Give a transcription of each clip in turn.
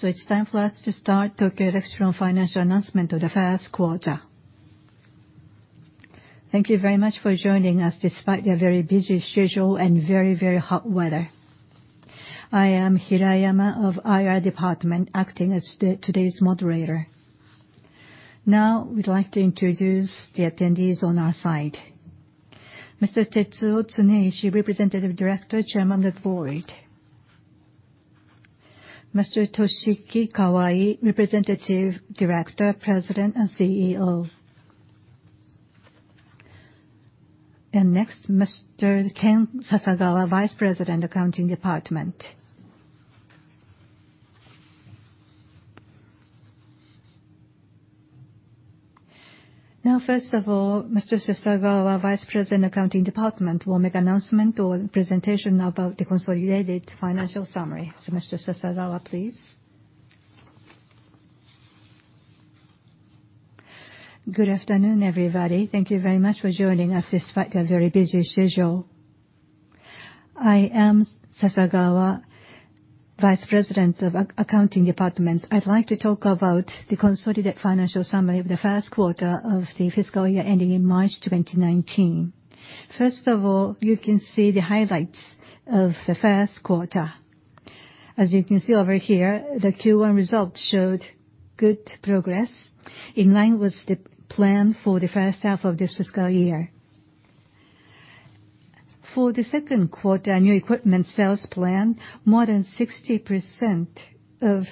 It's time for us to start Tokyo Electron financial announcement of the first quarter. Thank you very much for joining us despite your very busy schedule and very, very hot weather. I am Hirayama of IR Department, acting as today's moderator. We'd like to introduce the attendees on our side. Mr. Tetsuo Tsuneishi, Representative Director, Chairman of the Board. Mr. Toshiki Kawai, Representative Director, President and CEO. Next, Mr. Ken Sasagawa, Vice President, Accounting Department. First of all, Mr. Sasagawa, Vice President, Accounting Department, will make announcement or presentation about the consolidated financial summary. Mr. Sasagawa, please. Good afternoon, everybody. Thank you very much for joining us despite your very busy schedule. I am Sasagawa, Vice President of Accounting Department. I'd like to talk about the consolidated financial summary of the first quarter of the fiscal year ending in March 2019. First of all, you can see the highlights of the first quarter. As you can see over here, the Q1 results showed good progress in line with the plan for the first half of this fiscal year. For the second quarter new equipment sales plan, more than 60% of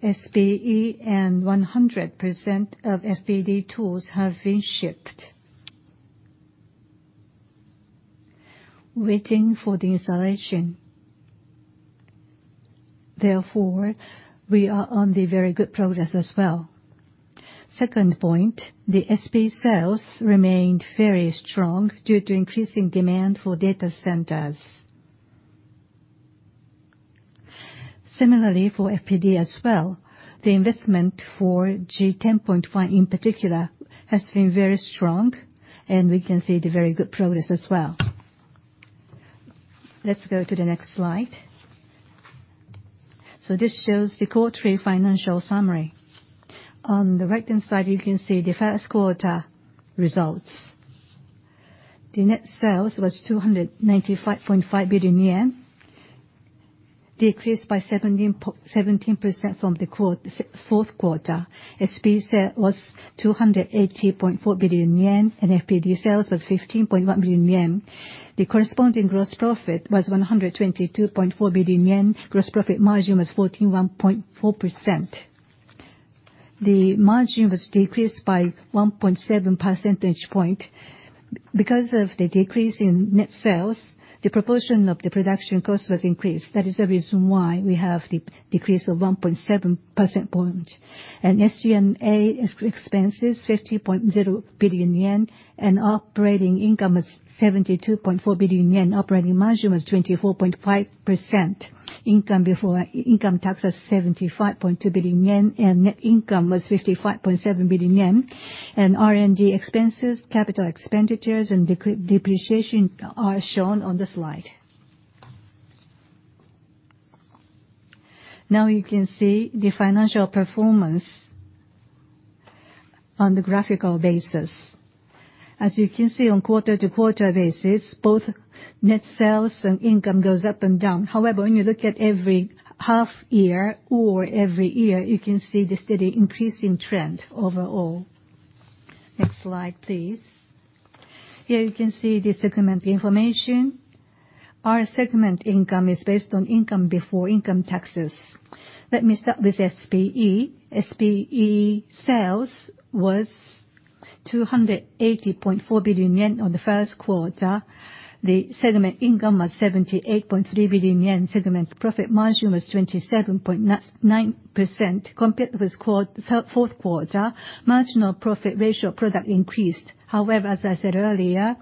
SPE and 100% of FPD tools have been shipped, waiting for the installation. We are on the very good progress as well. Second point, the SPE sales remained very strong due to increasing demand for data centers. Similarly, for FPD as well, the investment for Gen 10.5 in particular has been very strong, and we can see the very good progress as well. Let's go to the next slide. This shows the quarterly financial summary. On the right-hand side, you can see the first quarter results. The net sales was 295.5 billion yen, decreased by 17% from the fourth quarter. SPE sale was 280.4 billion yen, and FPD sales was 15.1 billion yen. The corresponding gross profit was 122.4 billion yen. Gross profit margin was 41.4%. The margin was decreased by 1.7 percentage point. Because of the decrease in net sales, the proportion of the production cost was increased. That is the reason why we have the decrease of 1.7%. SG&A expenses, 50.0 billion yen, and operating income was 72.4 billion yen. Operating margin was 24.5%. Income before income tax was 75.2 billion yen, and net income was 55.7 billion yen. R&D expenses, capital expenditures, and depreciation are shown on the slide. You can see the financial performance on the graphical basis. As you can see on quarter-to-quarter basis, both net sales and income goes up and down. When you look at every half year or every year, you can see the steady increasing trend overall. Next slide, please. Here you can see the segment information. Our segment income is based on income before income taxes. Let me start with SPE. SPE sales was 280.4 billion yen on the first quarter. The segment income was 78.3 billion yen. Segment profit margin was 27.9%. Compared with fourth quarter, marginal profit ratio product increased. As I said earlier,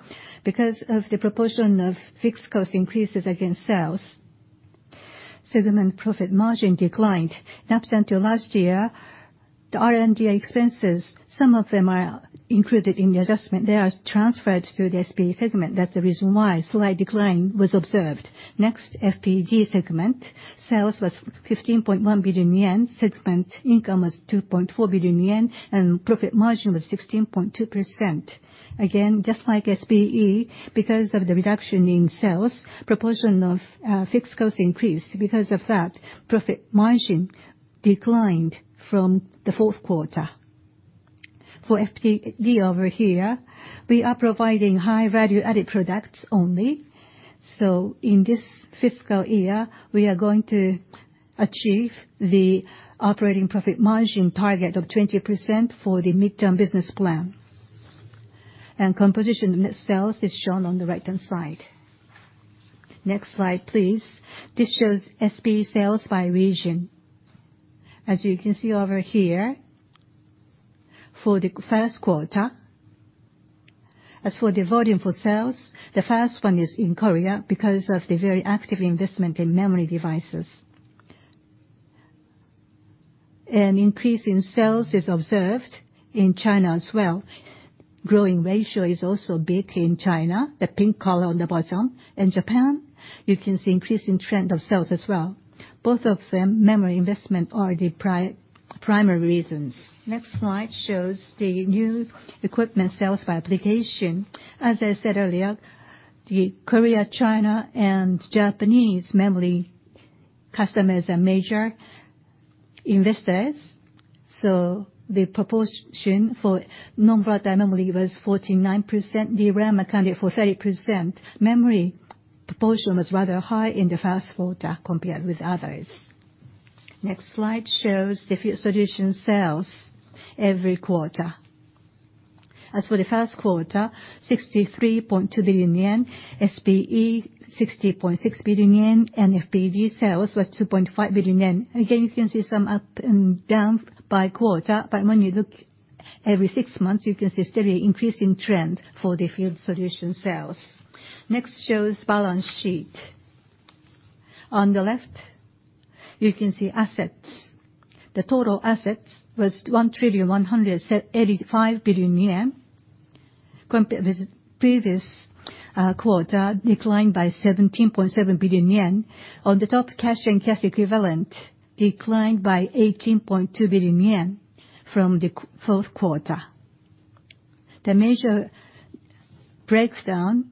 because of the proportion of fixed cost increases against sales, segment profit margin declined. Up until last year, the R&D expenses, some of them are included in the adjustment. They are transferred to the SPE segment. That's the reason why a slight decline was observed. Next, FPD segment. Sales was 15.1 billion yen. Segment income was 2.4 billion yen, and profit margin was 16.2%. Again, just like SPE, because of the reduction in sales, proportion of fixed cost increased. Because of that, profit margin declined from the fourth quarter. For FPD over here, we are providing high-value added products only. So in this fiscal year, we are going to achieve the operating profit margin target of 20% for the midterm business plan. Composition net sales is shown on the right-hand side. The next slide, please. This shows SPE sales by region. As you can see over here, for the first quarter, as for the volume for sales, the first one is in Korea because of the very active investment in memory devices. An increase in sales is observed in China as well. Growing ratio is also big in China, the pink color on the bottom. In Japan, you can see increasing trend of sales as well. Both of them, memory investment are the primary reasons. The next slide shows the new equipment sales by application. As I said earlier, the Korea, China, and Japanese memory customers are major investors. So the proportion for non-volatile memory was 49%, DRAM accounted for 30%. Memory proportion was rather high in the first quarter compared with others. The next slide shows the Field Solutions sales every quarter. As for the first quarter, 63.2 billion yen, SPE 60.6 billion yen, and FPD sales was 2.5 billion yen. Again, you can see some up and down by quarter, but when you look every six months, you can see steady increasing trend for the Field Solutions sales. The next shows balance sheet. On the left, you can see assets. The total assets was 1,185 billion yen. Compared with previous quarter, declined by 17.7 billion yen. On the top, cash and cash equivalent declined by 18.2 billion yen from the fourth quarter. The major breakdown,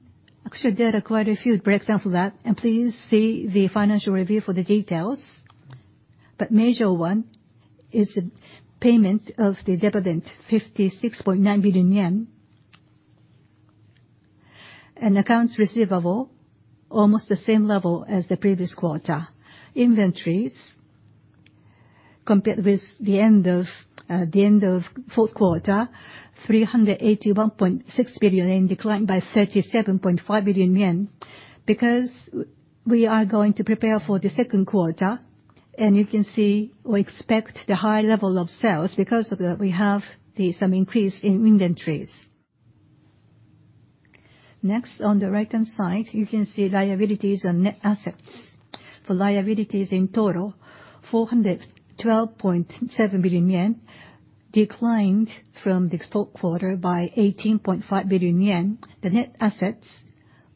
actually there are quite a few breakdown for that, and please see the financial review for the details. But major one is the payment of the dividend, 56.9 billion yen. Accounts receivable, almost the same level as the previous quarter. Inventories, compared with the end of fourth quarter, 381.6 billion yen, declined by 37.5 billion yen. Because we are going to prepare for the second quarter, and you can see we expect the high level of sales. Because of that, we have some increase in inventories. Next, on the right-hand side, you can see liabilities and net assets. For liabilities in total, 412.7 billion yen, declined from the fourth quarter by 18.5 billion yen. The net assets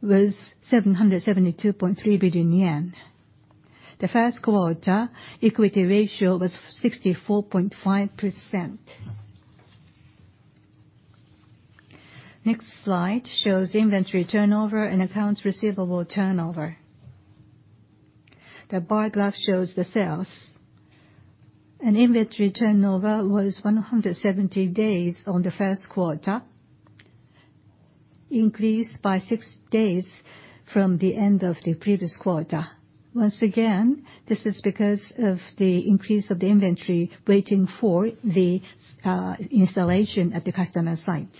was 772.3 billion yen. The first quarter equity ratio was 64.5%. The next slide shows inventory turnover and accounts receivable turnover. The bar graph shows the sales, and inventory turnover was 170 days on the first quarter, increased by six days from the end of the previous quarter. Once again, this is because of the increase of the inventory waiting for the installation at the customer sites.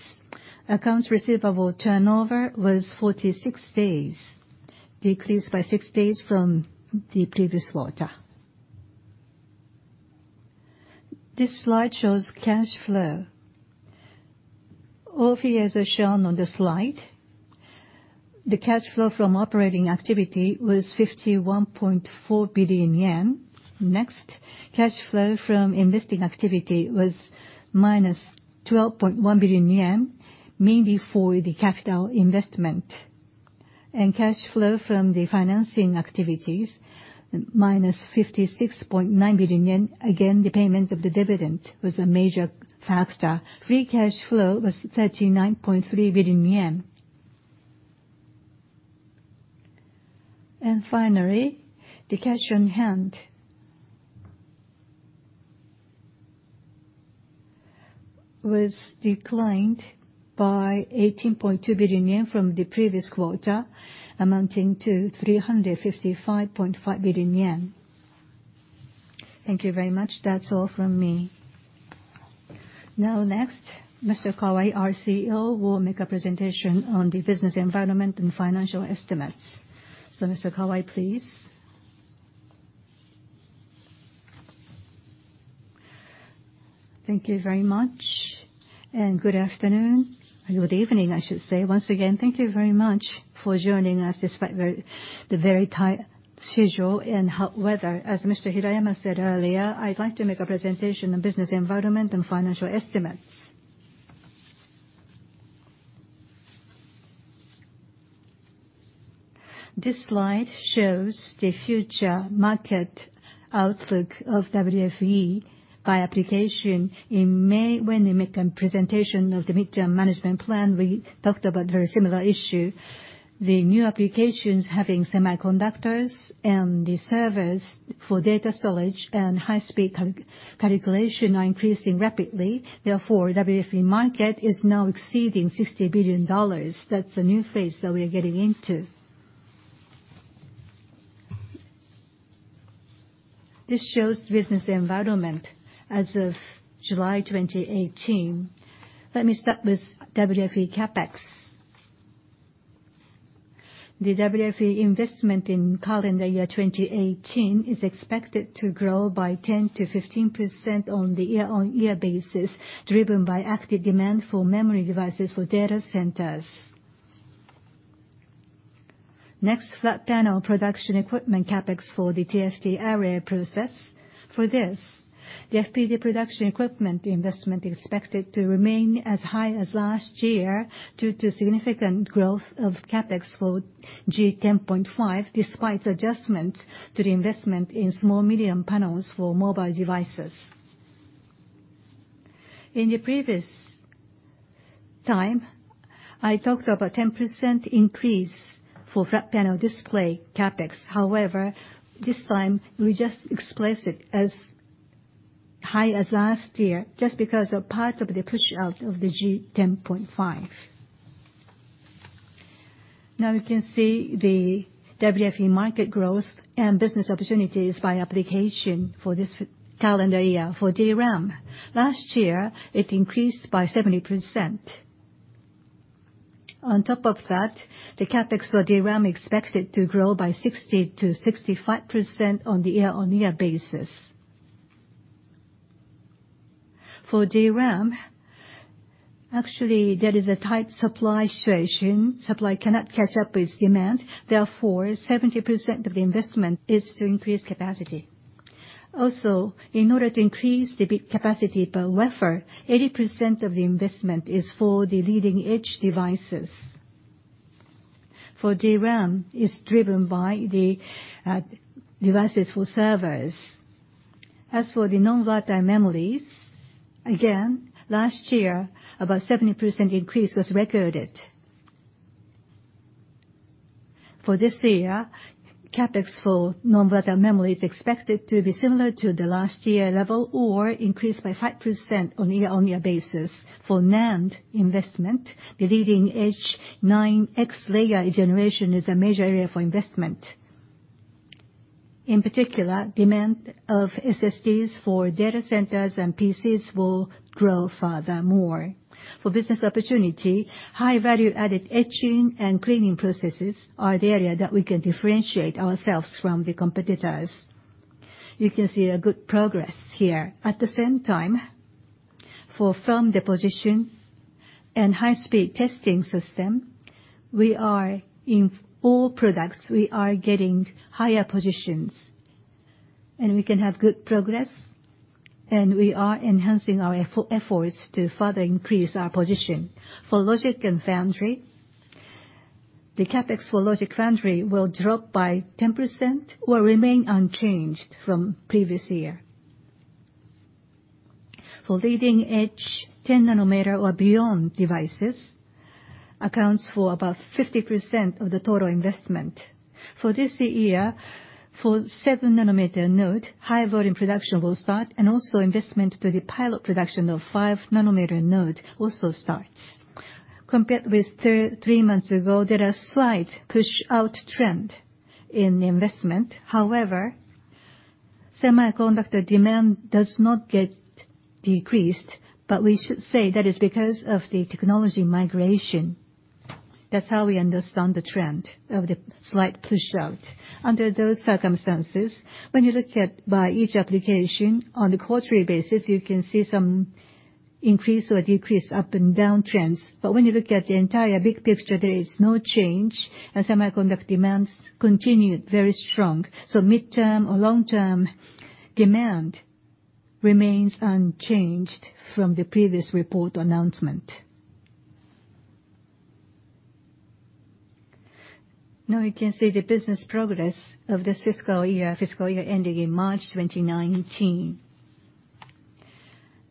Accounts receivable turnover was 46 days, decreased by six days from the previous quarter. This slide shows cash flow. OCF, as shown on the slide, the cash flow from operating activity was 51.4 billion yen. Cash flow from investing activity was minus 12.1 billion yen, mainly for the capital investment. And cash flow from the financing activities, minus 56.9 billion yen. Again, the payment of the dividend was a major factor. Free cash flow was 39.3 billion yen. Finally, the cash on hand was declined by 18.2 billion yen from the previous quarter, amounting to 355.5 billion yen. Thank you very much. That's all from me. Next, Mr. Kawai, our CEO, will make a presentation on the business environment and financial estimates. Mr. Kawai, please. Thank you very much, and good afternoon. Or good evening, I should say. Once again, thank you very much for joining us despite the very tight schedule and hot weather. As Mr. Hirayama said earlier, I'd like to make a presentation on business environment and financial estimates. This slide shows the future market outlook of WFE by application. In May, when we made a presentation of the mid-term management plan, we talked about very similar issue. The new applications having semiconductors and the servers for data storage and high-speed calculation are increasing rapidly. Therefore, WFE market is now exceeding $60 billion. That's a new phase that we are getting into. This shows business environment as of July 2018. Let me start with WFE CapEx. The WFE investment in calendar year 2018 is expected to grow by 10%-15% on the year-on-year basis, driven by active demand for memory devices for data centers. Next, flat panel production equipment CapEx for the TFT area process. For this, the FPD production equipment investment expected to remain as high as last year due to significant growth of CapEx for Gen 10.5, despite adjustments to the investment in small medium panels for mobile devices. In the previous time, I talked about 10% increase for flat panel display CapEx. However, this time, we just explain it as high as last year, just because a part of the push-out of the Gen 10.5. We can see the WFE market growth and business opportunities by application for this calendar year. For DRAM, last year it increased by 70%. On top of that, the CapEx for DRAM expected to grow by 60%-65% on a year-on-year basis. For DRAM, actually, there is a tight supply situation. Supply cannot catch up with demand. Therefore, 70% of the investment is to increase capacity. Also, in order to increase the capacity per wafer, 80% of the investment is for the leading-edge devices. For DRAM, it's driven by the devices for servers. As for the non-volatile memories, again, last year, about 70% increase was recorded. For this year, CapEx for non-volatile memory is expected to be similar to the last year level or increase by 5% on a year-on-year basis. For NAND investment, the leading-edge 9X-layer generation is a major area for investment. In particular, demand of SSDs for data centers and PCs will grow further more. For business opportunity, high value added etching and cleaning processes are the area that we can differentiate ourselves from the competitors. You can see a good progress here. At the same time, for film deposition and high-speed testing system, we are in all products, we are getting higher positions, and we can have good progress, and we are enhancing our efforts to further increase our position. For logic and foundry, the CapEx for logic foundry will drop by 10% or remain unchanged from previous year. For leading-edge 10 nanometer or beyond devices, accounts for about 50% of the total investment. For this year, for 7 nanometer node, high-volume production will start, and also investment to the pilot production of 5 nanometer node also starts. Compared with three months ago, there are slight pushout trend in investment. However, semiconductor demand does not get decreased, but we should say that is because of the technology migration. That's how we understand the trend of the slight push-out. When you look at by each application, on a quarterly basis, you can see some increase or decrease up and down trends. When you look at the entire big picture, there is no change, and semiconductor demand continued very strong. Midterm or long-term demand remains unchanged from the previous report announcement. Now you can see the business progress of this fiscal year, fiscal year ending in March 2019.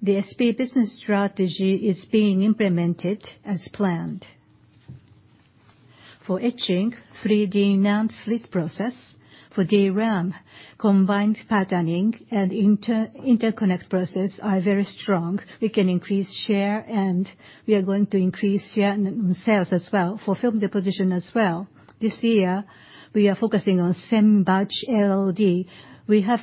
The SPE business strategy is being implemented as planned. For etching, 3D NAND slit process. For DRAM, combined patterning and interconnect process are very strong. We can increase share, and we are going to increase share and sales as well. For film deposition as well, this year, we are focusing on Semi-Batch ALD. We have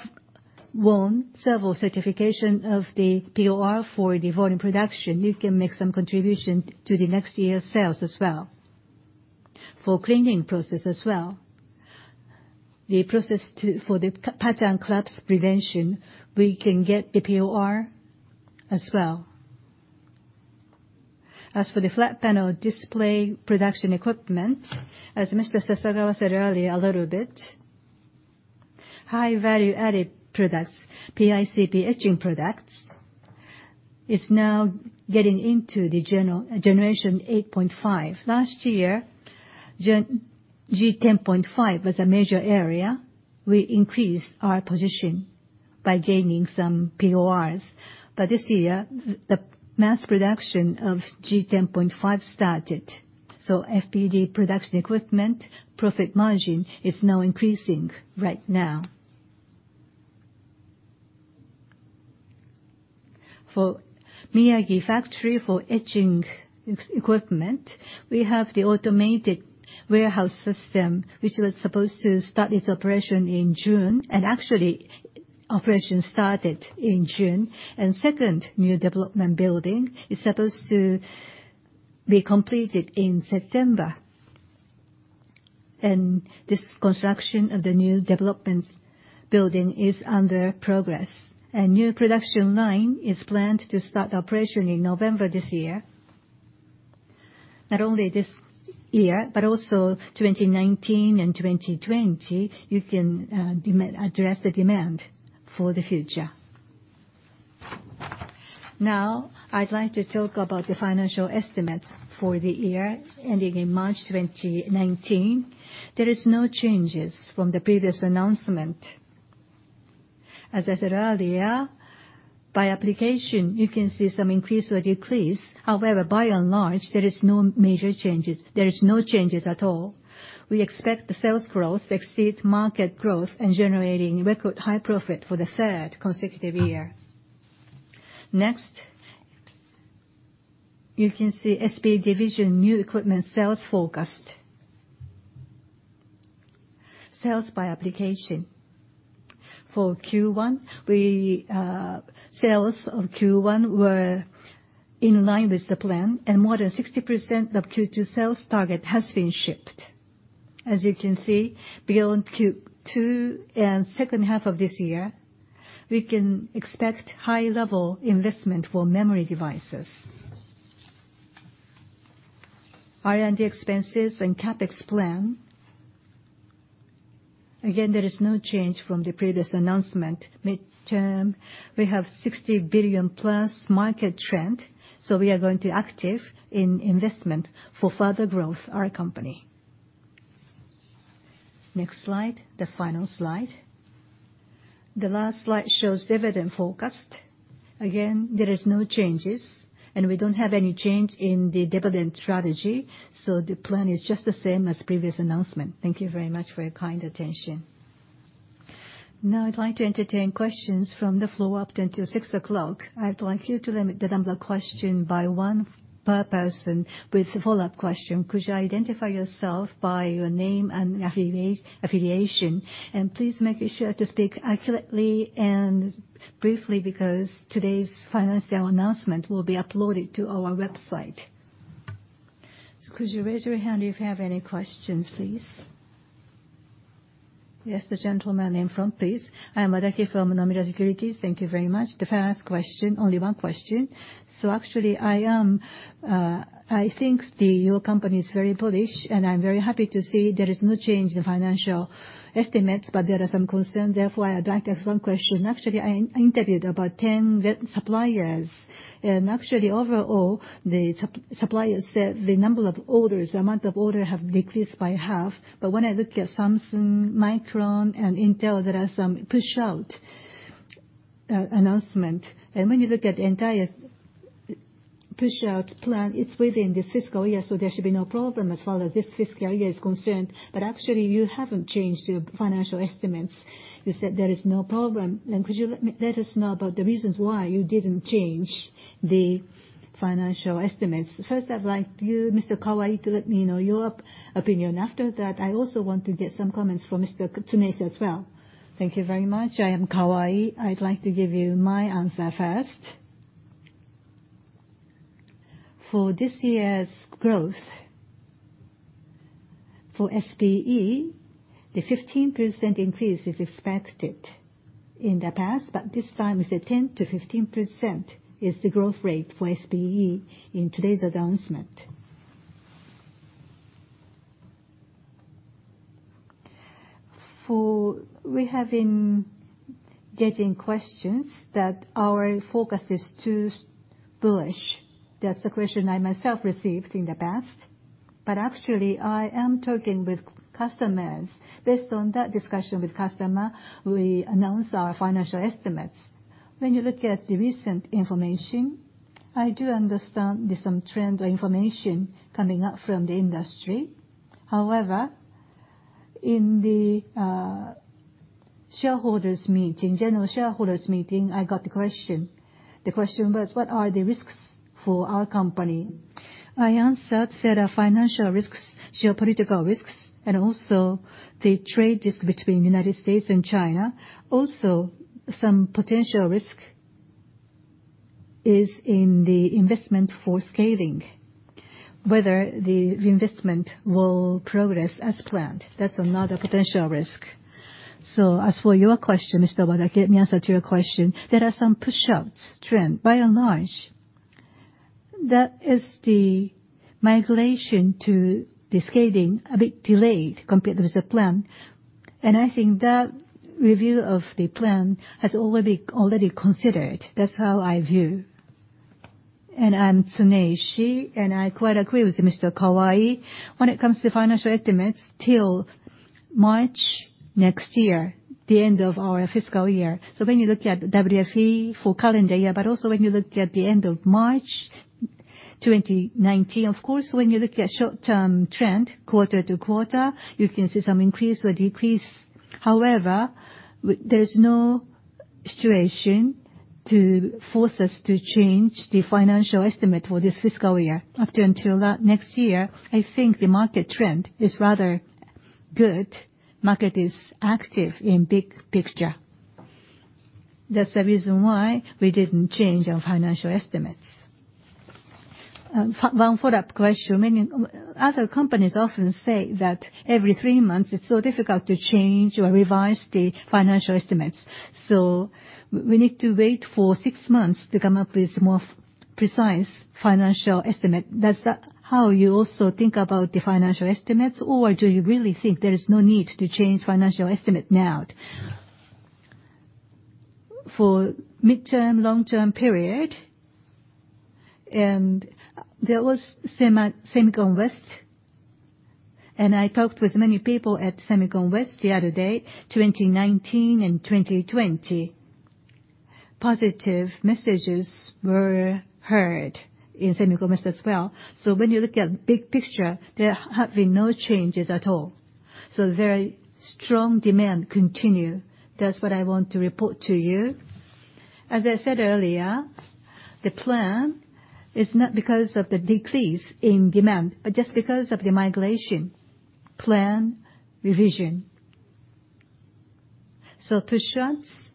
won several certifications of the POR for the volume production. It can make some contribution to the next year's sales as well. For cleaning process as well, the process for the pattern collapse prevention, we can get the POR as well. As for the flat panel display production equipment, as Mr. Sasagawa said earlier a little bit, high value added products, PICP etching products, is now getting into the generation 8.5. Last year, Gen 10.5 was a major area. We increased our position by gaining some PORs. This year, the mass production of Gen 10.5 started. FPD production equipment profit margin is now increasing right now. For Miyagi factory, for etching equipment, we have the automated warehouse system, which was supposed to start its operation in June. Actually, operation started in June, and second new development building is supposed to be completed in September. This construction of the new development building is under progress. A new production line is planned to start operation in November this year. Not only this year, but also 2019 and 2020, you can address the demand for the future. Now, I'd like to talk about the financial estimates for the year ending in March 2019. There is no change from the previous announcement. As I said earlier, by application, you can see some increase or decrease. However, by and large, there is no change at all. We expect the sales growth to exceed market growth in generating record high profit for the third consecutive year. Next, you can see SPE division new equipment sales forecast. Sales by application. For Q1, sales of Q1 were in line with the plan, and more than 60% of Q2 sales target has been shipped. As you can see, beyond Q2 and second half of this year, we can expect high level investment for memory devices. R&D expenses and CapEx plan. Again, there is no change from the previous announcement. Midterm, we have $60 billion+ market trend, we are going to active in investment for further growth our company. Next slide, the final slide. The last slide shows dividend forecast. Again, there is no change, and we don't have any change in the dividend strategy, the plan is just the same as previous announcement. Thank you very much for your kind attention. Now I'd like to entertain questions from the floor up until 6:00 P.M. I'd like you to limit the number of questions by one per person with a follow-up question. Could you identify yourself by your name and affiliation? Please make sure to speak accurately and briefly because today's financial announcement will be uploaded to our website. Could you raise your hand if you have any questions, please? Yes, the gentleman in front, please. I am Wadaki from Nomura Securities. Thank you very much. The first question, only one question. Actually, I think your company is very bullish, and I am very happy to see there is no change in financial estimates, but there are some concerns. Therefore, I'd like to ask one question. Actually, I interviewed about 10 suppliers. Actually, overall, the suppliers said the number of orders, amount of order have decreased by half. When I look at Samsung, Micron, and Intel, there are some push-out announcements. When you look at the entire push-out plan, it is within this fiscal year, so there should be no problem as far as this fiscal year is concerned. Actually, you have not changed your financial estimates. You said there is no problem. Could you let us know about the reasons why you did not change the financial estimates? First, I'd like you, Mr. Kawai, to let me know your opinion. After that, I also want to get some comments from Mr. Tsuneishi as well. Thank you very much. I am Kawai. I'd like to give you my answer first. For this year's growth, for SPE, the 15% increase is expected in the past, but this time, we say 10%-15% is the growth rate for SPE in today's announcement. We have been getting questions that our focus is too bullish. That is the question I myself received in the past. Actually, I am talking with customers. Based on that discussion with customers, we announce our financial estimates. When you look at the recent information, I do understand there is some trend or information coming up from the industry. However, in the shareholders meeting, general shareholders meeting, I got the question. The question was, what are the risks for our company? I answered there are financial risks, geopolitical risks, and also the trade risk between the U.S. and China. Also, some potential risk is in the investment for scaling, whether the investment will progress as planned. That is another potential risk. As for your question, Mr. Wadaki, let me answer to your question. There are some push-outs trend. By and large, that is the migration to the scaling a bit delayed compared with the plan, and I think that review of the plan has already considered. That is how I view. I am Tsuneishi, and I quite agree with Mr. Kawai. When it comes to financial estimates, till March next year, the end of our fiscal year. When you look at WFE for calendar year, but also when you look at the end of March 2019, of course, when you look at short-term trend, quarter-to-quarter, you can see some increase or decrease. However, there is no situation to force us to change the financial estimate for this fiscal year. Up until next year, I think the market trend is rather good. Market is active in big picture. That is the reason why we did not change our financial estimates. One follow-up question. Many other companies often say that every 3 months it is so difficult to change or revise the financial estimates, so we need to wait for 6 months to come up with more precise financial estimate. Is that how you also think about the financial estimates, or do you really think there is no need to change financial estimate now? For midterm, long-term period, there was SEMICON West. I talked with many people at SEMICON West the other day, 2019 and 2020. Positive messages were heard in SEMICON West as well. When you look at big picture, there have been no changes at all. Very strong demand continue. That's what I want to report to you. As I said earlier, the plan is not because of the decrease in demand, but just because of the migration plan revision. Pushouts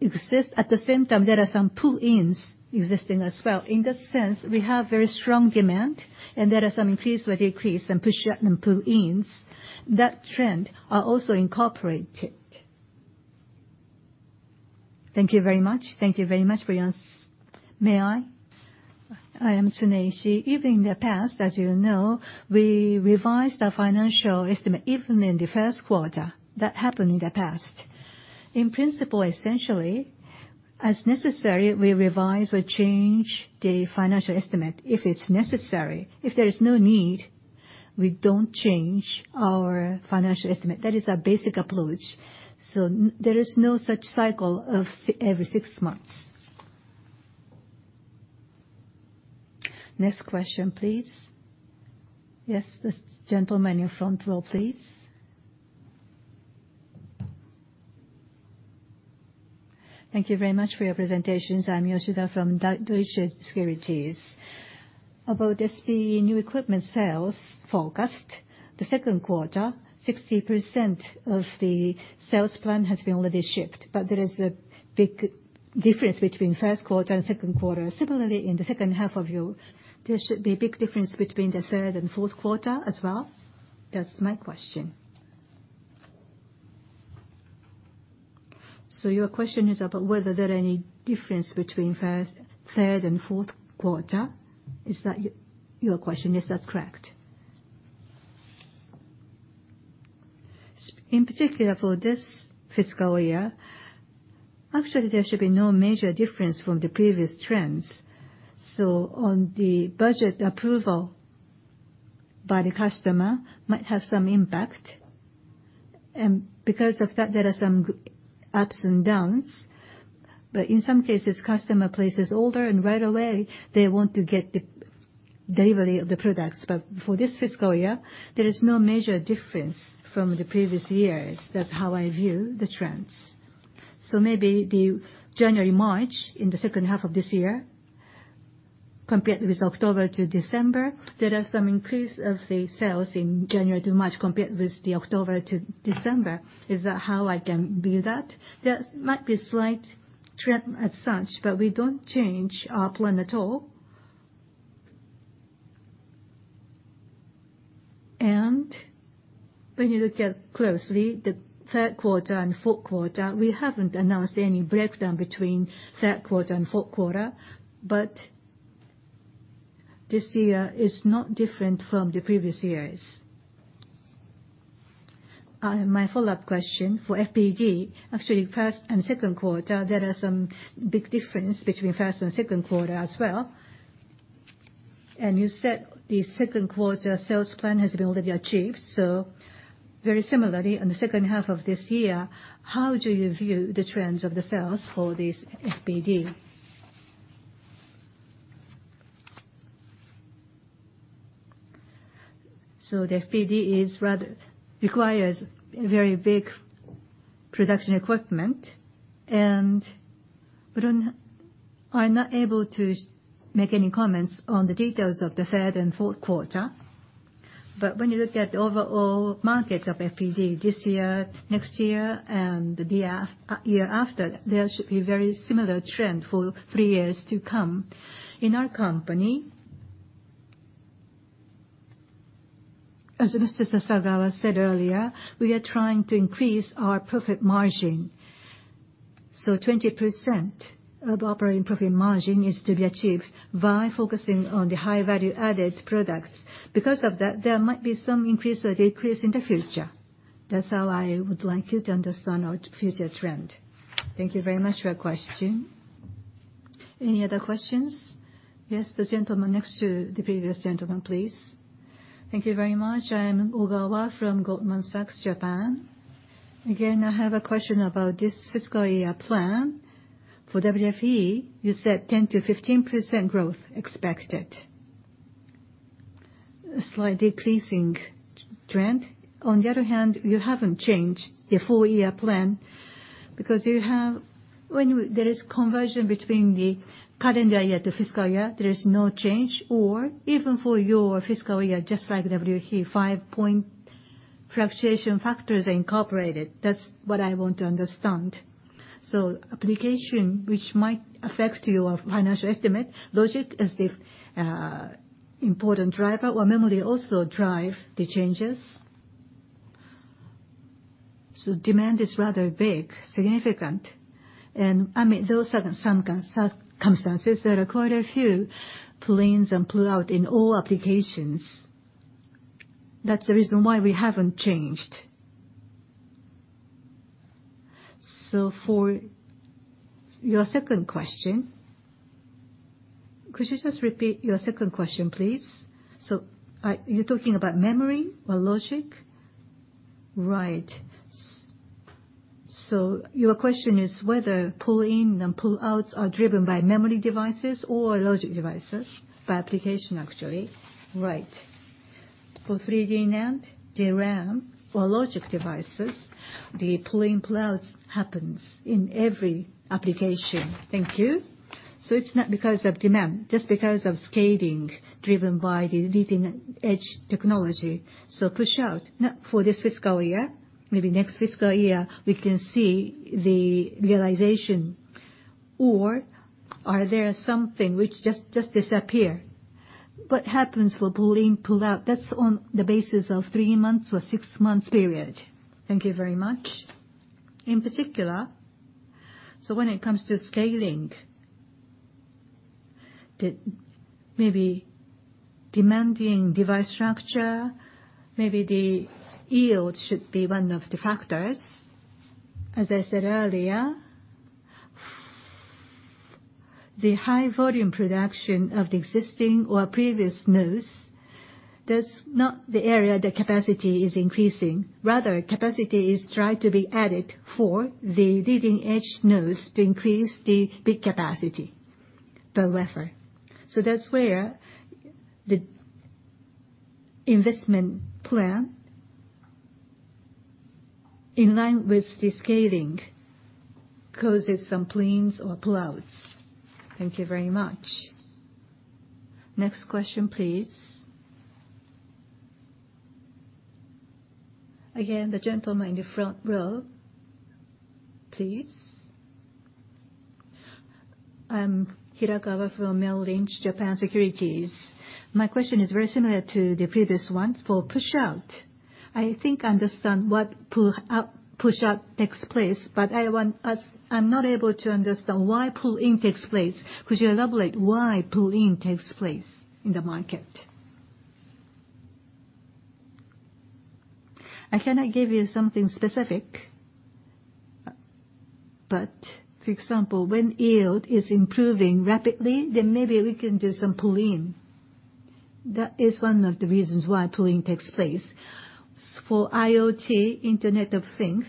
exist. At the same time, there are some pull-ins existing as well. In that sense, we have very strong demand, there are some increase or decrease, some pushout and pull-ins. That trend are also incorporated. Thank you very much. Thank you very much for your May I? I am Tsuneishi. Even in the past, as you know, we revised our financial estimate even in the first quarter. That happened in the past. In principle, essentially, as necessary, we revise or change the financial estimate if it's necessary. If there is no need, we don't change our financial estimate. That is our basic approach. There is no such cycle of every six months. Next question, please. Yes, this gentleman in front row, please. Thank you very much for your presentations. I'm Yoshida from Deutsche Securities. About the new equipment sales forecast, the second quarter, 60% of the sales plan has been already shipped, there is a big difference between first quarter and second quarter. Similarly, in the second half of year, there should be a big difference between the third and fourth quarter as well? That's my question. Your question is about whether there any difference between first, third, and fourth quarter. Is that your question? Yes, that's correct. In particular, for this fiscal year, actually, there should be no major difference from the previous trends. On the budget approval by the customer might have some impact, because of that, there are some ups and downs. In some cases, customer places order, right away, they want to get the delivery of the products. For this fiscal year, there is no major difference from the previous years. That's how I view the trends. Maybe the January-March in the second half of this year, compared with October to December, there are some increase of the sales in January to March compared with the October to December. Is that how I can view that? There might be slight trend as such, we don't change our plan at all. When you look at closely the third quarter and fourth quarter, we haven't announced any breakdown between third quarter and fourth quarter, this year is not different from the previous years. My follow-up question for FPD. Actually, first and second quarter, there are some big difference between first and second quarter as well. You said the second quarter sales plan has been already achieved, very similarly, on the second half of this year, how do you view the trends of the sales for this FPD? The FPD requires very big production equipment, I'm not able to make any comments on the details of the third and fourth quarter. When you look at the overall market of FPD this year, next year, and the year after, there should be very similar trend for three years to come. In our company, as Mr. Sasagawa said earlier, we are trying to increase our profit margin. 20% of operating profit margin is to be achieved via focusing on the high value-added products. Because of that, there might be some increase or decrease in the future. That's how I would like you to understand our future trend. Thank you very much for your question. Any other questions? Yes, the gentleman next to the previous gentleman, please. Thank you very much. I am Ogawa from Goldman Sachs Japan. Again, I have a question about this fiscal year plan. For WFE, you said 10%-15% growth expected. A slight decreasing trend. You haven't changed the full year plan because when there is conversion between the calendar year to fiscal year, there is no change, or even for your fiscal year, just like WFE, fluctuation factors are incorporated. That's what I want to understand. Application, which might affect your financial estimate, logic as the important driver, or memory also drive the changes? Demand is rather big, significant, and those are some circumstances. There are quite a few pull-ins and pull-out in all applications. That's the reason why we haven't changed. For your second question, could you just repeat your second question, please? Are you talking about memory or logic? Right. Your question is whether pull-in and pull-outs are driven by memory devices or logic devices by application, actually. Right. For 3D NAND, DRAM or logic devices, the pull-in, pull-outs happens in every application. Thank you. It's not because of demand, just because of scaling driven by the leading-edge technology. Push-out, not for this fiscal year, maybe next fiscal year, we can see the realization. Or are there something which just disappear? What happens for pull-in, pull-out, that's on the basis of three months or six months period. Thank you very much. In particular, when it comes to scaling, maybe demanding device structure, maybe the yield should be one of the factors. As I said earlier, the high volume production of the existing or previous nodes, that's not the area the capacity is increasing. Rather, capacity is tried to be added for the leading-edge nodes to increase the bit capacity, however. That's where the investment plan, in line with the scaling, causes some pull-ins or pull-outs. Thank you very much. Next question, please. Again, the gentleman in the front row, please. I'm Hirakawa from Merrill Lynch Japan Securities. My question is very similar to the previous one. For push-out, I think I understand what push-out takes place, but I'm not able to understand why pull-in takes place. Could you elaborate why pull-in takes place in the market? I cannot give you something specific. For example, when yield is improving rapidly, then maybe we can do some pull-in. That is one of the reasons why pull-in takes place. For IoT, internet of things,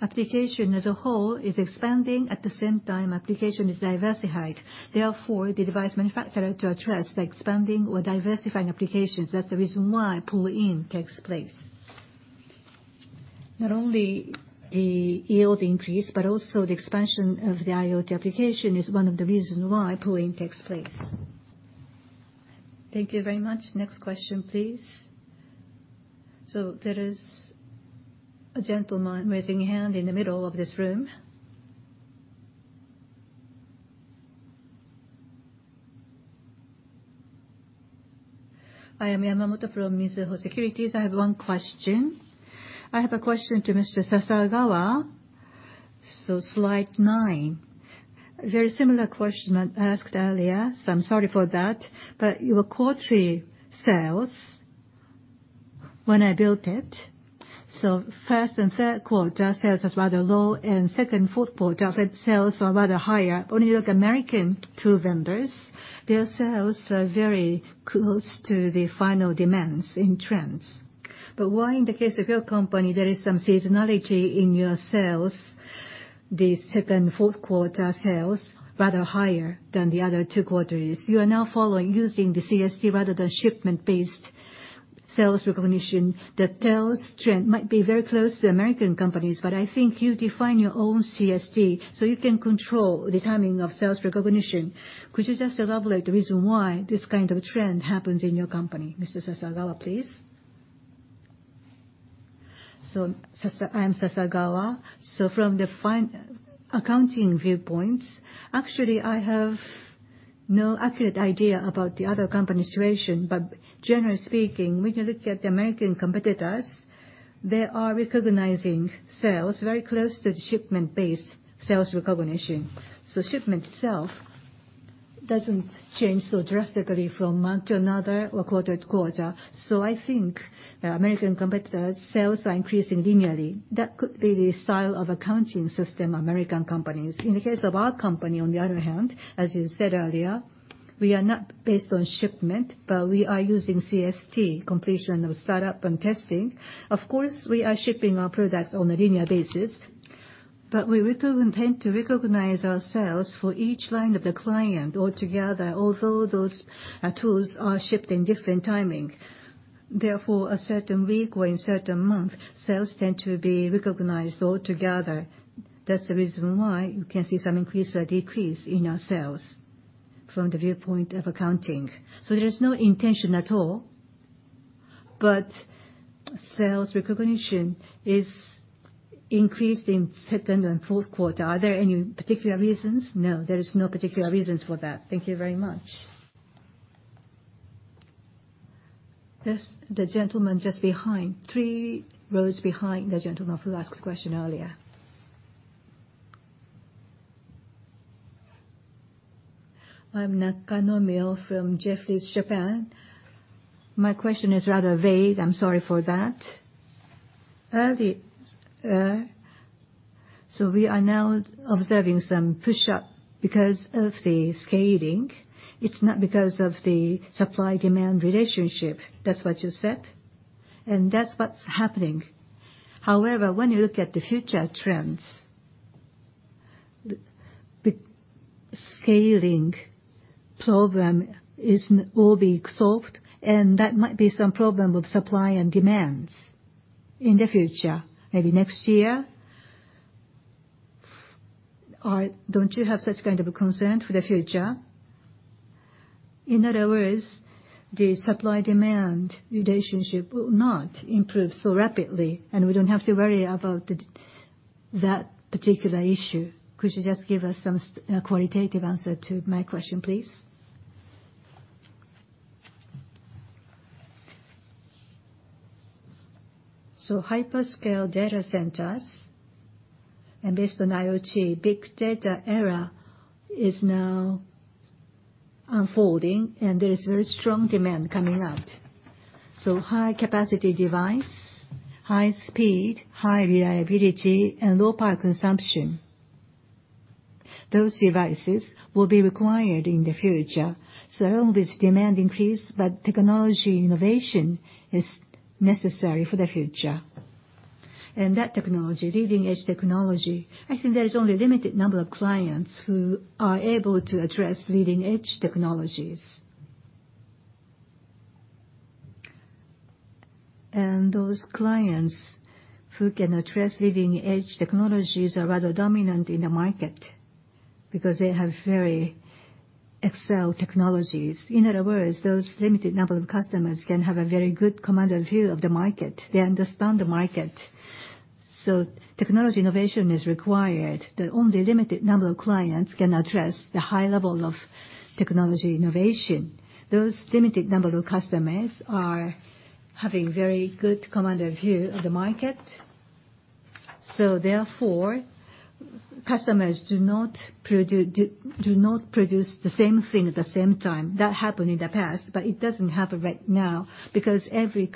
application as a whole is expanding. At the same time, application is diversified. Therefore, the device manufacturer to address the expanding or diversifying applications, that's the reason why pull-in takes place. Not only the yield increase, but also the expansion of the IoT application is one of the reasons why pull-in takes place. Thank you very much. Next question, please. There is a gentleman raising hand in the middle of this room. I'm Yamamoto from Mizuho Securities. I have one question. I have a question to Mr. Sasagawa. Slide nine. Very similar question I asked earlier, so I'm sorry for that. But your quarterly sales, when I built it, first and third quarter sales is rather low, and second, fourth quarter sales are rather higher. When you look American tool vendors, their sales are very close to the final demands in trends. But why in the case of your company, there is some seasonality in your sales, the second, fourth quarter sales, rather higher than the other two quarters? You are now following using the CST rather than shipment-based sales recognition. The sales trend might be very close to American companies, but I think you define your own CST, so you can control the timing of sales recognition. Could you just elaborate the reason why this kind of trend happens in your company? Mr. Sasagawa, please. I'm Sasagawa. From the accounting viewpoints, actually, I have no accurate idea about the other company's situation. But generally speaking, when you look at the American competitors, they are recognizing sales very close to the shipment-based sales recognition. Shipment itself doesn't change so drastically from month to another or quarter to quarter. I think the American competitors' sales are increasing linearly. That could be the style of accounting system, American companies. In the case of our company, on the other hand, as you said earlier, we are not based on shipment, but we are using CST, completion of startup and testing. Of course, we are shipping our products on a linear basis, but we do intend to recognize our sales for each line of the client altogether, although those tools are shipped in different timing. Therefore, a certain week or in certain month, sales tend to be recognized all together. That's the reason why you can see some increase or decrease in our sales. From the viewpoint of accounting. There is no intention at all, but sales recognition is increased in second and fourth quarter. Are there any particular reasons? No, there is no particular reasons for that. Thank you very much. Yes, the gentleman just behind, three rows behind the gentleman who asked the question earlier. I'm Nakanomyo from Jefferies Japan. My question is rather vague, I'm sorry for that. We are now observing some push-out because of the scaling. It's not because of the supply-demand relationship. That's what you said, and that's what's happening. However, when you look at the future trends, the scaling problem will be solved, and that might be some problem with supply and demands in the future, maybe next year. Don't you have such kind of a concern for the future? In other words, the supply-demand relationship will not improve so rapidly, and we don't have to worry about that particular issue. Could you just give us some qualitative answer to my question, please? Hyperscale data centers, and based on IoT, big data era is now unfolding, and there is very strong demand coming out. High capacity device, high speed, high reliability, and low power consumption. Those devices will be required in the future. All this demand increase, but technology innovation is necessary for the future. That technology, leading-edge technology, I think there is only a limited number of clients who are able to address leading-edge technologies. Those clients who can address leading-edge technologies are rather dominant in the market because they have very excellent technologies. In other words, those limited number of customers can have a very good commander view of the market. They understand the market. Technology innovation is required. The only limited number of clients can address the high level of technology innovation. Those limited number of customers are having very good commander view of the market. Therefore, customers do not produce the same thing at the same time. That happened in the past, but it doesn't happen right now because every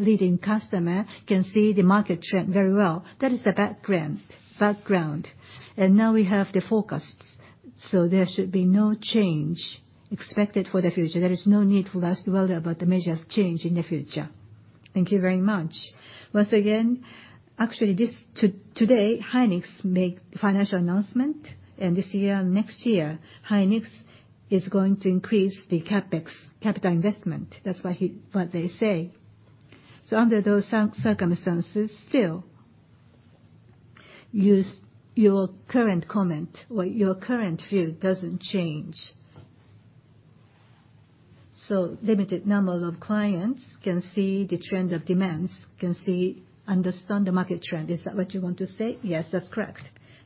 leading customer can see the market trend very well. That is the background. Now we have the forecasts. There should be no change expected for the future. There is no need to worry about the major change in the future. Thank you very much. Once again, actually, today, SK hynix made financial announcement. This year, next year, SK hynix is going to increase the CapEx, capital investment. That's what they say. Under those circumstances, still, your current comment or your current view doesn't change. Limited number of clients can see the trend of demands, can understand the market trend. Is that what you want to say? Yes, that's correct.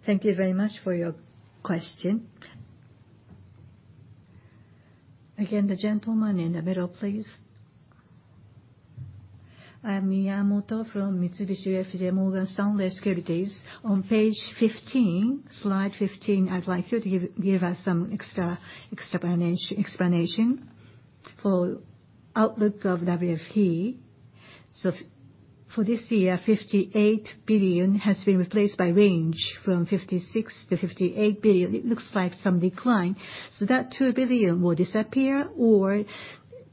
Thank you very much for your question. Again, the gentleman in the middle, please. I am Miyamoto from Mitsubishi UFJ [Financial Group]. On page 15, slide 15, I'd like you to give us some extra explanation for outlook of WFE. For this year, $58 billion has been replaced by range from $56 billion-$58 billion. It looks like some decline. That $2 billion will disappear, or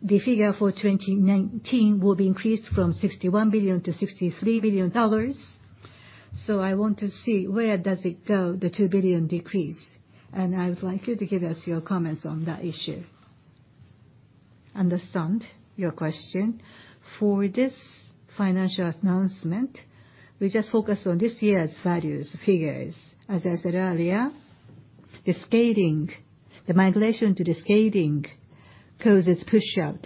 the figure for 2019 will be increased from $61 billion-$63 billion. I want to see where does it go, the $2 billion decrease, and I would like you to give us your comments on that issue. Understand your question. For this financial announcement, we just focus on this year's values, figures. As I said earlier, the scaling, the migration to the scaling causes pushout.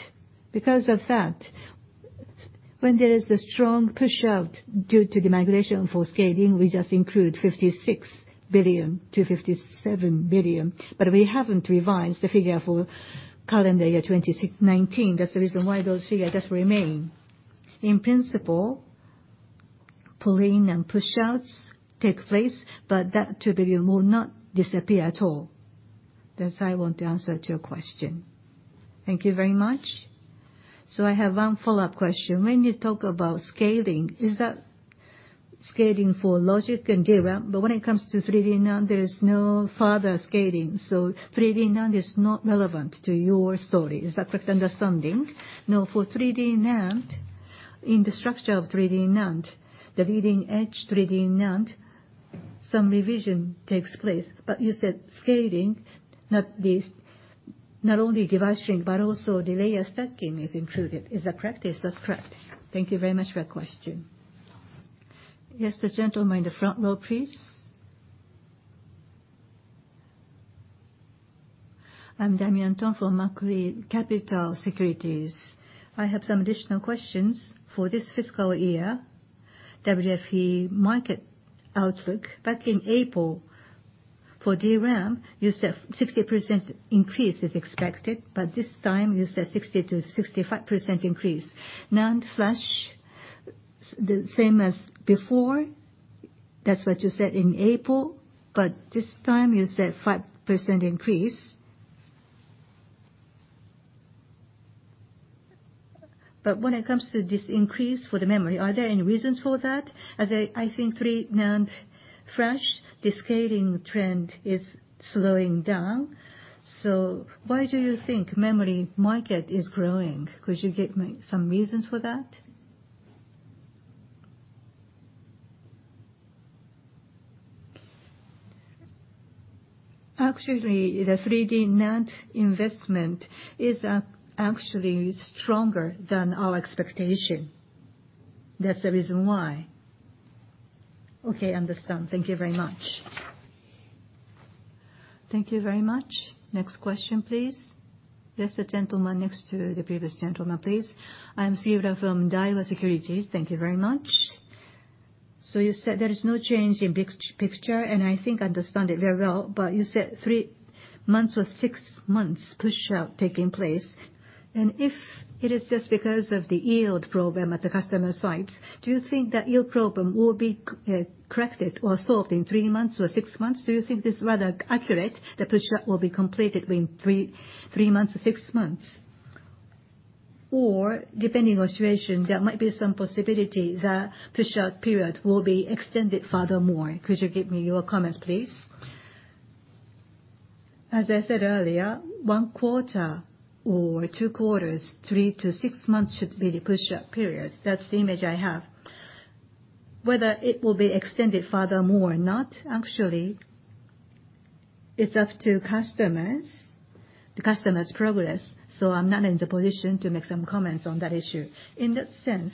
When there is a strong pushout due to the migration for scaling, we just include $56 billion-$57 billion, but we haven't revised the figure for calendar year 2019. That's the reason why those figure just remain. In principle, pull in and pushouts take place, but that $2 billion will not disappear at all. That's how I want to answer to your question. Thank you very much. I have one follow-up question. When you talk about scaling, is that scaling for logic and DRAM? When it comes to 3D NAND, there is no further scaling, so 3D NAND is not relevant to your story. Is that correct understanding? No, for 3D NAND, in the structure of 3D NAND, the leading edge 3D NAND, some revision takes place. You said scaling, not only device shrink, but also the layer stacking is included. Is that correct? Yes, that's correct. Thank you very much for your question. The gentleman in the front row, please. I'm Damian Thong from Macquarie Capital Securities. I have some additional questions for this fiscal year. WFE market outlook back in April for DRAM, you said 60% increase is expected, this time you said 60%-65% increase. NAND flash, the same as before, that's what you said in April, this time you said 5% increase. When it comes to this increase for the memory, are there any reasons for that? As I think 3D NAND flash, the scaling trend is slowing down. Why do you think memory market is growing? Could you give me some reasons for that? Actually, the 3D NAND investment is actually stronger than our expectation. That's the reason why. Okay, understand. Thank you very much. Thank you very much. Next question, please. Yes, the gentleman next to the previous gentleman, please. I'm Sugiura from Daiwa Securities. Thank you very much. You said there is no change in picture, and I think I understand it very well, you said three months or six months pushout taking place, and if it is just because of the yield program at the customer sites, do you think that yield problem will be corrected or solved in three months or six months? Do you think this is rather accurate, the pushout will be completed within three months or six months? Depending on situation, there might be some possibility the pushout period will be extended furthermore. Could you give me your comments, please? As I said earlier, one quarter or two quarters, three to six months should be the pushout periods. That's the image I have. Whether it will be extended furthermore or not, actually, it's up to customers, the customer's progress. I'm not in the position to make some comments on that issue. In that sense,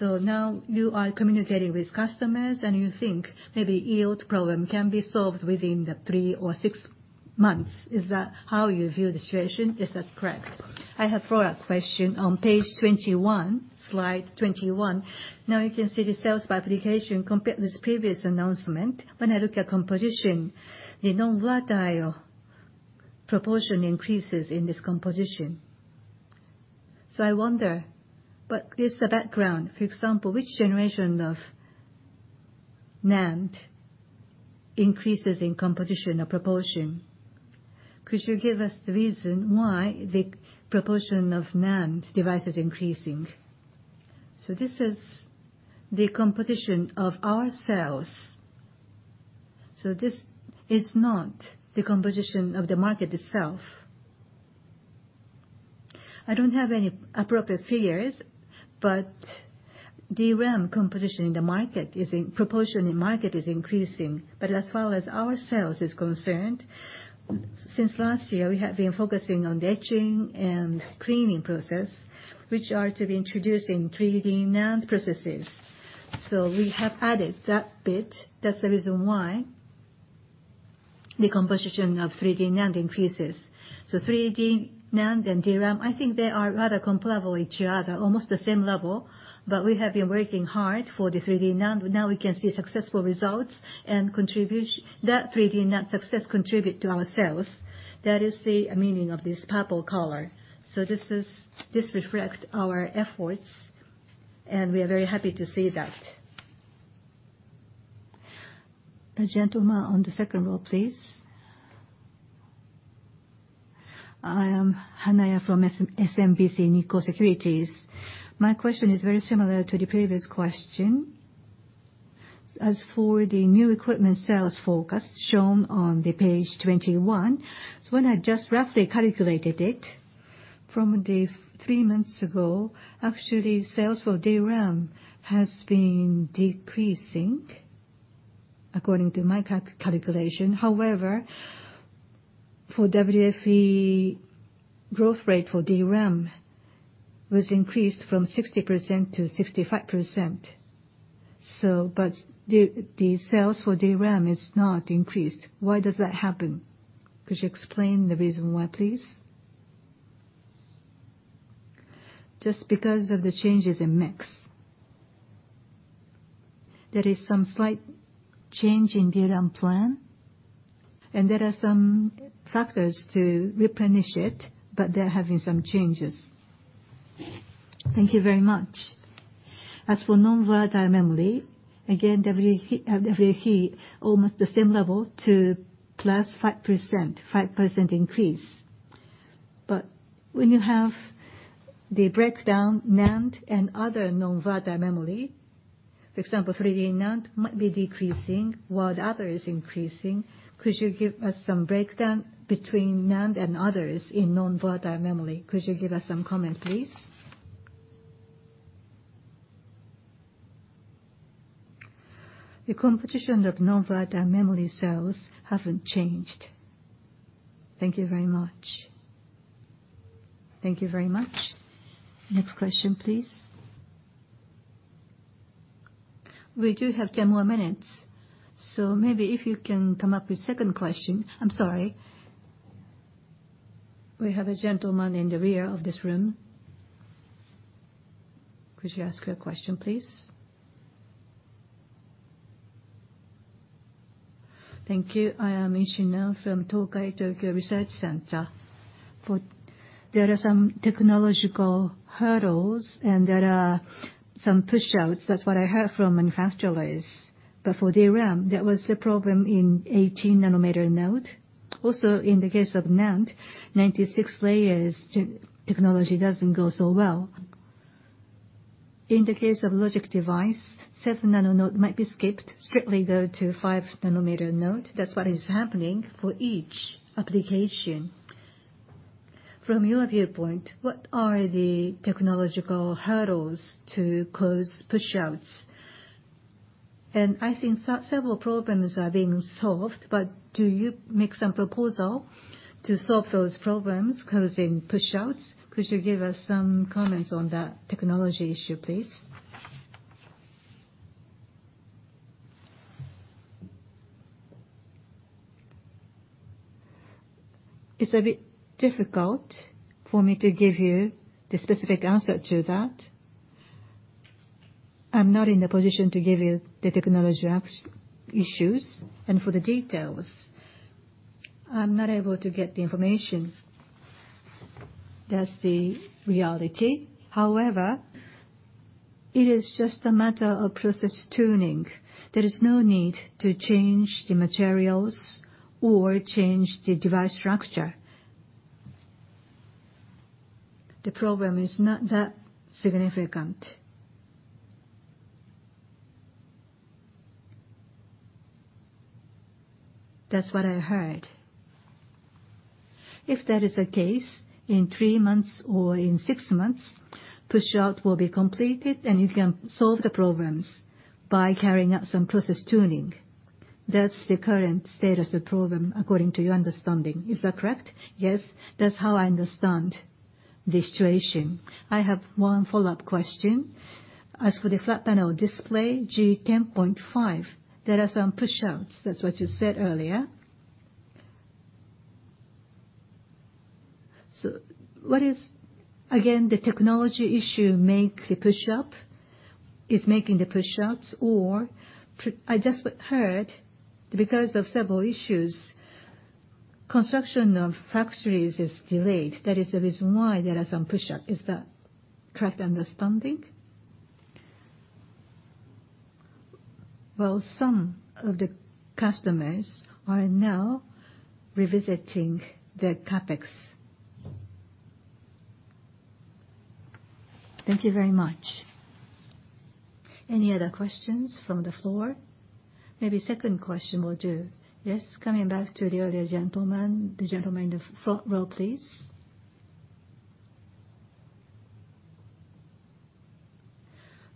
now you are communicating with customers and you think maybe yield problem can be solved within the three or six months. Is that how you view the situation? Is that correct? I have follow-up question. On page 21, slide 21, now you can see the sales by application compared with previous announcement. When I look at composition, the non-volatile proportion increases in this composition. I wonder, what is the background? For example, which generation of NAND increases in composition or proportion? Could you give us the reason why the proportion of NAND device is increasing? This is the composition of our sales. This is not the composition of the market itself. I don't have any appropriate figures, DRAM composition in the market, proportion in market is increasing. As far as our sales is concerned, since last year, we have been focusing on the etching and cleaning process, which are to be introduced in 3D NAND processes. We have added that bit. That's the reason why the composition of 3D NAND increases. 3D NAND and DRAM, I think they are rather comparable each other, almost the same level, we have been working hard for the 3D NAND. Now we can see successful results and that 3D NAND success contribute to our sales. That is the meaning of this purple color. This reflect our efforts, and we are very happy to see that. The gentleman on the second row, please. I am Hanaya from SMBC Nikko Securities. My question is very similar to the previous question. As for the new equipment sales forecast shown on the page 21, when I just roughly calculated it from 3 months ago, actually, sales for DRAM has been decreasing according to my calculation. However, for WFE growth rate for DRAM was increased from 60%-65%. The sales for DRAM is not increased. Why does that happen? Could you explain the reason why, please? Just because of the changes in mix. There is some slight change in DRAM plan, and there are some factors to replenish it, but they're having some changes. Thank you very much. As for non-volatile memory, again, WFE almost the same level to +5%, 5% increase. When you have the breakdown NAND and other non-volatile memory, for example, 3D NAND might be decreasing while the other is increasing. Could you give us some breakdown between NAND and others in non-volatile memory? Could you give us some comment, please? The composition of non-volatile memory sales haven't changed. Thank you very much. Thank you very much. Next question, please. We do have 10 more minutes, so maybe if you can come up with second question. I'm sorry. We have a gentleman in the rear of this room. Could you ask your question, please? Thank you. I am Ishino from Tokai Tokyo Research Center. There are some technological hurdles and there are some push-outs. That's what I heard from manufacturers. For DRAM, that was a problem in 18 nanometer node. Also, in the case of NAND, 96 layers technology doesn't go so well. In the case of logic device, 7 nano node might be skipped, strictly go to 5 nanometer node. That's what is happening for each application. From your viewpoint, what are the technological hurdles to cause pushouts? And I think several problems are being solved, but do you make some proposal to solve those problems causing pushouts? Could you give us some comments on that technology issue, please? It's a bit difficult for me to give you the specific answer to that. I'm not in the position to give you the technology issues, and for the details, I'm not able to get the information. That's the reality. However, it is just a matter of process tuning. There is no need to change the materials or change the device structure. The problem is not that significant. That's what I heard. If that is the case, in three months or in six months, pushout will be completed and you can solve the problems by carrying out some process tuning. That's the current status of problem according to your understanding. Is that correct? Yes. That's how I understand the situation. I have one follow-up question. As for the flat-panel display, Gen 10.5, there are some pushouts. That's what you said earlier. What is, again, the technology issue make the pushout? Is making the pushouts, or I just heard because of several issues, construction of factories is delayed. That is the reason why there are some pushout. Is that correct understanding? Well, some of the customers are now revisiting their CapEx. Thank you very much. Any other questions from the floor? Maybe second question will do. Yes, coming back to the earlier gentleman, the gentleman in the front row, please.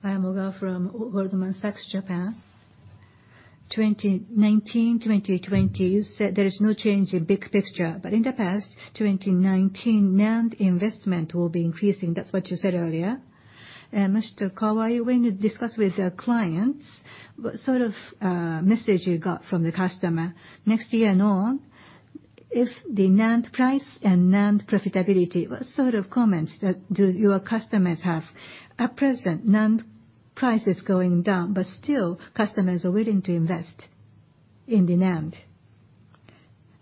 I am Ogawa from Goldman Sachs Japan. 2019, 2020, you said there is no change in big picture, but in the past 2019, NAND investment will be increasing. That's what you said earlier. Mr. Kawai, when you discuss with your clients, what sort of message you got from the customer? Next year and on, if the NAND price and NAND profitability, what sort of comments do your customers have? At present, NAND price is going down, but still customers are willing to invest in the NAND.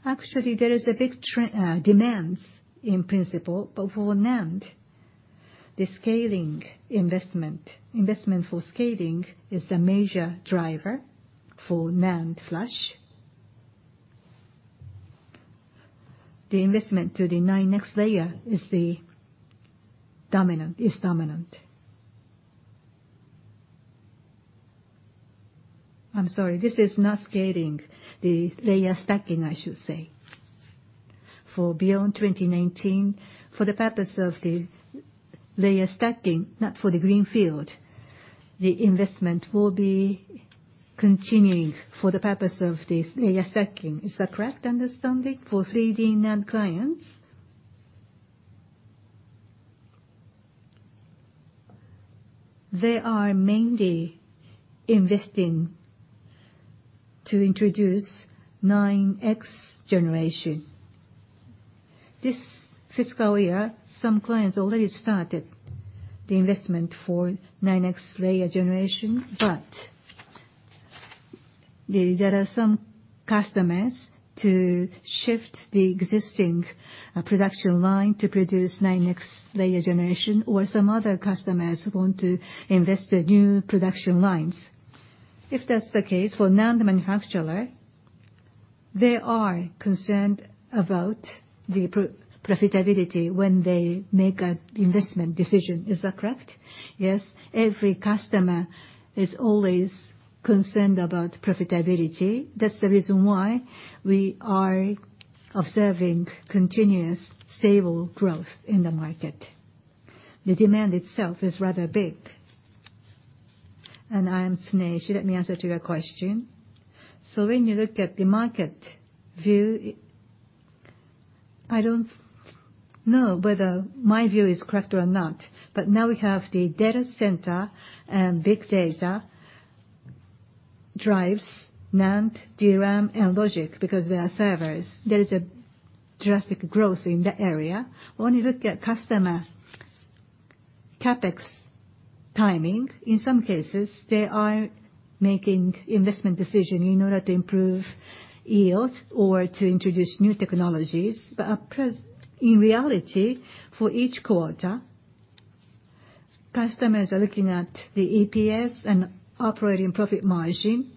Actually, there is a big demands in principle for NAND. The scaling investment for scaling is a major driver for NAND flash. The investment to the 9X-layer is dominant. I am sorry. This is not scaling, the layer stacking, I should say. For beyond 2019, for the purpose of the layer stacking, not for the green field, the investment will be continuing for the purpose of this layer stacking. Is that correct understanding for 3D NAND clients? They are mainly investing to introduce 9X generation. This fiscal year, some clients already started the investment for 9X-layer generation, but there are some customers to shift the existing production line to produce 9X-layer generation, or some other customers want to invest in new production lines. If that's the case, for NAND manufacturer, they are concerned about the profitability when they make an investment decision. Is that correct? Yes. Every customer is always concerned about profitability. That's the reason why we are observing continuous stable growth in the market. The demand itself is rather big. I am Tsuneishi. Let me answer to your question. When you look at the market view, I don't know whether my view is correct or not, but now we have the data center and big data drives NAND, DRAM, and logic because they are servers. There is a drastic growth in the area. When you look at customer CapEx timing, in some cases, they are making investment decision in order to improve yield or to introduce new technologies. In reality, for each quarter, customers are looking at the EPS and operating profit margin,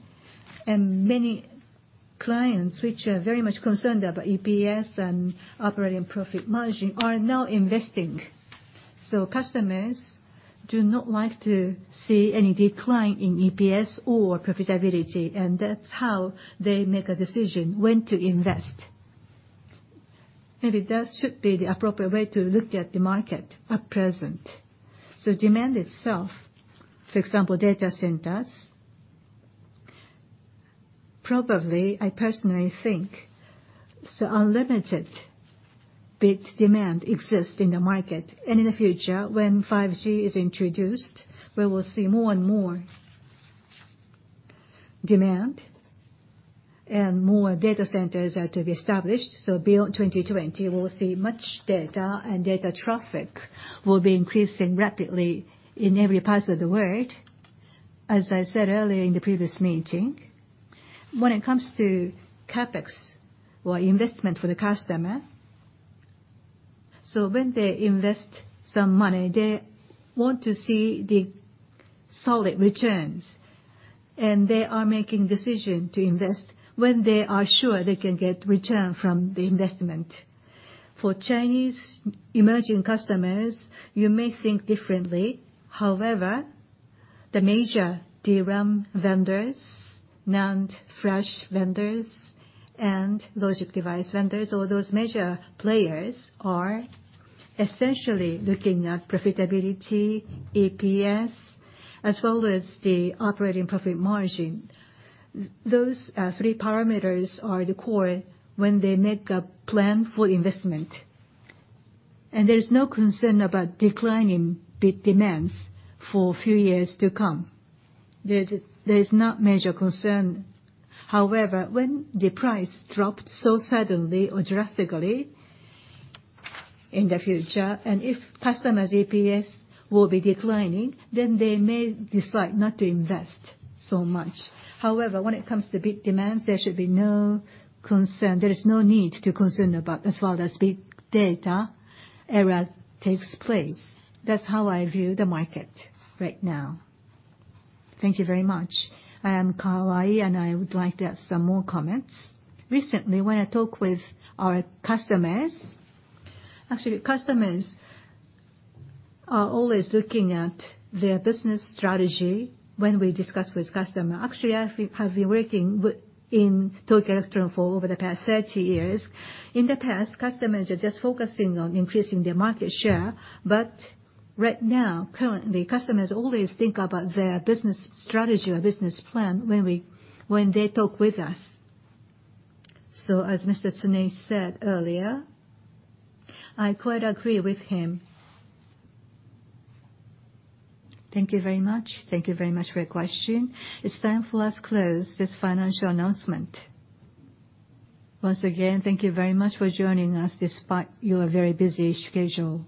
and many clients which are very much concerned about EPS and operating profit margin are now investing. Customers do not like to see any decline in EPS or profitability, and that's how they make a decision when to invest. Maybe that should be the appropriate way to look at the market at present. Demand itself, for example, data centers, probably, I personally think, unlimited bit demand exists in the market. In the future, when 5G is introduced, we will see more and more demand and more data centers are to be established. Beyond 2020, we'll see much data, and data traffic will be increasing rapidly in every part of the world. As I said earlier in the previous meeting, when it comes to CapEx or investment for the customer, so when they invest some money, they want to see the solid returns. They are making decision to invest when they are sure they can get return from the investment. For Chinese emerging customers, you may think differently. However, the major DRAM vendors, NAND flash vendors, and logic device vendors, all those major players are essentially looking at profitability, EPS, as well as the operating profit margin. Those are three parameters are the core when they make a plan for investment. There is no concern about decline in bit demands for few years to come. There is not major concern. When the price dropped so suddenly or drastically in the future, and if customers' EPS will be declining, they may decide not to invest so much. When it comes to bit demands, there should be no concern. There is no need to concern about as well as big data era takes place. That's how I view the market right now. Thank you very much. I am Kawai, and I would like to add some more comments. Recently, when I talk with our customers, actually, customers are always looking at their business strategy when we discuss with customer. Actually, I have been working with Tokyo Electron for over the past 30 years. In the past, customers are just focusing on increasing their market share. Right now, currently, customers always think about their business strategy or business plan when they talk with us. As Mr. Tsuneishi said earlier, I quite agree with him. Thank you very much. Thank you very much for your question. It's time for us close this financial announcement. Once again, thank you very much for joining us despite your very busy schedule.